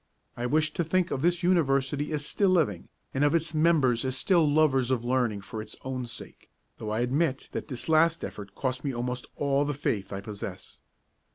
I wished to think of this University as still living, and of its members as still lovers of learning for its own sake, though I admit that this last effort cost me almost all the faith I possess.